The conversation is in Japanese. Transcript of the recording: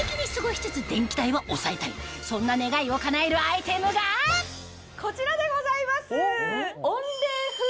そんな願いをかなえるアイテムがこちらでございます。